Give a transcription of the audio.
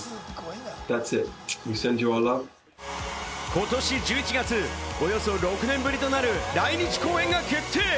ことし１１月、およそ６年ぶりとなる来日公演が決定。